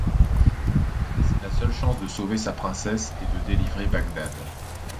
C’est sa seule chance de sauver sa princesse et de délivrer Bagdad.